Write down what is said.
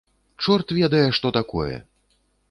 Чорт ведае, што такое!